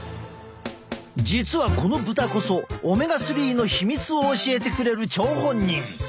実はこの豚こそオメガ３の秘密を教えてくれる張本人。